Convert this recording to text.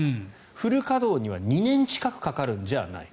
フル稼働には２年近くかかるんじゃないか。